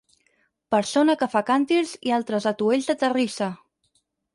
Persona que fa càntirs i altres atuells de terrissa.